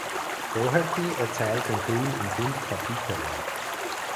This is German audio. Doherty erzählt den Film in fünf Kapiteln.